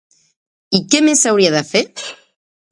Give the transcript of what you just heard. I què més s'hauria de fer?